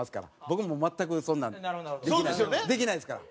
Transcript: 僕も全くそんなんできないできないですから。